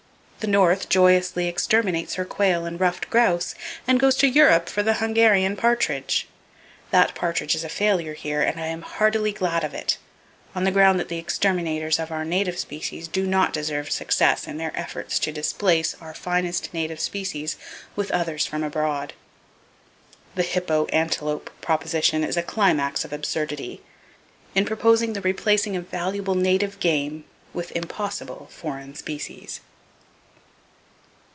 The North joyously exterminates her quail and ruffed grouse, and goes to Europe for the Hungarian partridge. That partridge is a failure here, and I am heartily glad of it, on the ground that the exterminators of our native species do not deserve success in their efforts to displace our finest native species with others from abroad. The hippo antelope proposition is a climax of absurdity, in proposing the replacing of valuable native game with impossible foreign species.